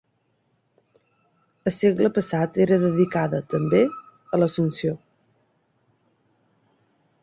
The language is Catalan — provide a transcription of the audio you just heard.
Al segle passat era dedicada, també, a l'Assumpció.